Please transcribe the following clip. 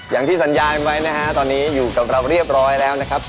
อย่างที่สัญญาณไว้นะฮะตอนนี้อยู่กับเราเรียบร้อยแล้วนะครับ